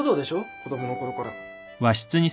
子供の頃から。